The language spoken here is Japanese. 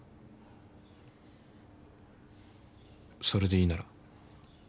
それでいいなら。